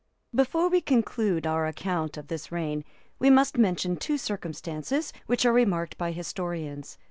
] Before we conclude our account of this reign, we must mention two circumstances, which are remarked by historians.